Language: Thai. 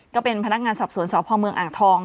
ก็เป็นพนักงานสอบสวนสพเมืองอ่างทอง